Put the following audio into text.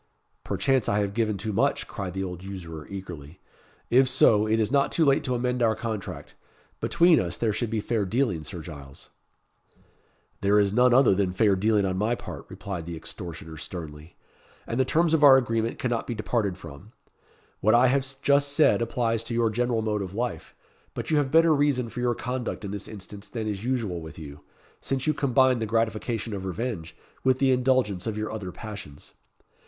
"Perchance I have given too much," cried the old usurer, eagerly; "if so, it is not too late to amend our contract. Between us, there should be fair dealing, Sir Giles." "There is none other than fair dealing on my part," replied the extortioner sternly; "and the terms of our agreement cannot be departed from. What I have just said applies to your general mode of life; but you have better reason for your conduct in this instance than is usual with you, since you combine the gratification of revenge with the indulgence of your other passions.